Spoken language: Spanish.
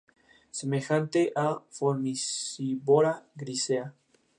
Semejante a "Formicivora grisea".